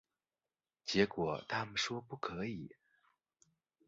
结果他们说不可以